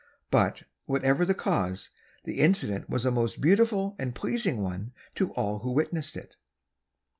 But, whatever the cause, the incident was a most beautiful and pleasing one to all who witnessed it.